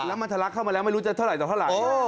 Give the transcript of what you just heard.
แล้วมันทะลักเข้ามาแล้วไม่รู้จะเท่าไหร่